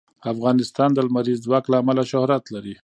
افغانستان د لمریز ځواک له امله شهرت لري.